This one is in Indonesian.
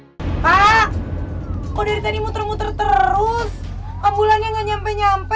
hai hai hai hai hai hai hai pak udah tadi muter muter terus ambulannya nggak nyampe nyampe